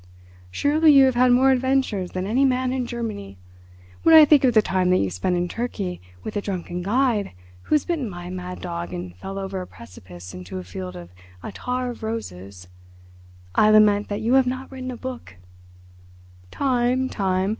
"Surely you have had more adventures than any man in Germany. When I think of the time that you spent in Turkey with a drunken guide who was bitten by a mad dog and fell over a precipice into a field of attar of roses, I lament that you have not written a book." "Time—time.